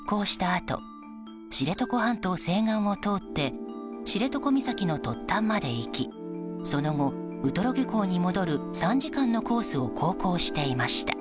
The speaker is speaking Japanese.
あと知床半島西岸を通って知床岬の突端まで行きその後、ウトロ漁港に戻る３時間のコースを航行していました。